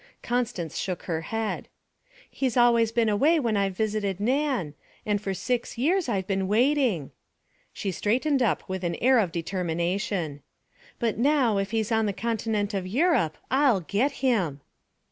Constance shook her head. 'He's always been away when I've visited Nan and for six years I've been waiting.' She straightened up with an air of determination. 'But now, if he's on the continent of Europe, I'll get him!'